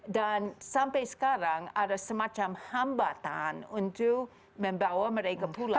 sampai sekarang ada semacam hambatan untuk membawa mereka pulang